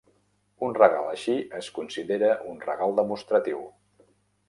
Un regal així es considera un regal demostratiu.